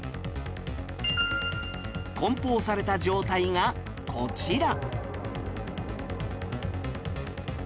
梱包された状態がこちら